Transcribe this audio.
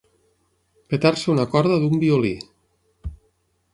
Petar-se una corda d'un violí.